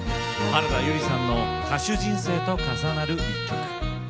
原田悠里さんの歌手人生と重なる一曲。